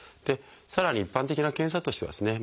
さらに一般的な検査としてはですね